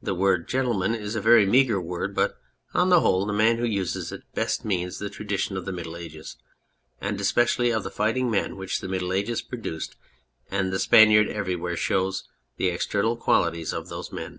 The word " gentleman " is a very meagre word, but on the whole the man who uses it best means the tradition of the Middle Ages, and especially of the fighting men which the Middle Ages produced, and the Spaniard everywhere shows the external qualities of those men.